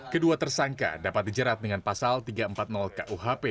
kedua tersangka dapat dijerat dengan pasal tiga ratus empat puluh kuhp